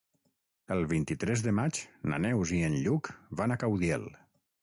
El vint-i-tres de maig na Neus i en Lluc van a Caudiel.